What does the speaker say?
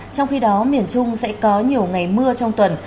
trong khi đó miền trung sẽ có nhiều ngày mưa trong tuần